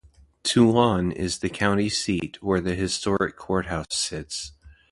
Toulon is the county seat where the historic courthouse sits.